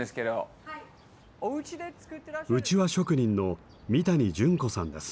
うちわ職人の三谷順子さんです。